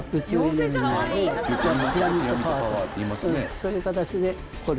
そういう形で。